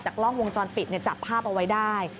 กล้องวงจรปิดจับภาพเอาไว้ได้